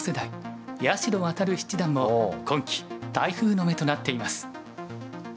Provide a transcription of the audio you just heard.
八代弥七段も今期台風の目となっています。